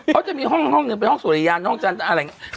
เขาจะมีห้องหนึ่งเป็นห้องสุริยานห้องจันทร์อะไรอย่างนี้